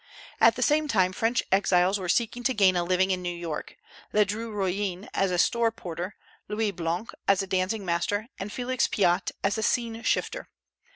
At the same time French exiles were seeking to gain a living in New York, Ledru Rollin as a store porter, Louis Blanc as a dancing master, and Felix Pyat as a scene shifter.